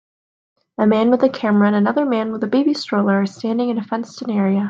A man with a camera and another man with a baby stroller are standing in a fenced in area